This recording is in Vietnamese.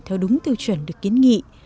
theo đúng tiêu chuẩn được kiến nghị